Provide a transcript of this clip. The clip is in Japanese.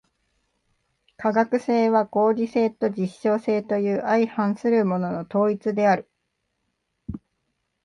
科学性は合理性と実証性という相反するものの統一である。